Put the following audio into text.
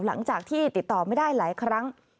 หลังจากที่ติดต่อไม่ได้หลายครั้ง